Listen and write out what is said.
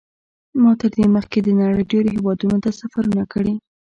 ما تر دې مخکې د نړۍ ډېرو هېوادونو ته سفرونه کړي.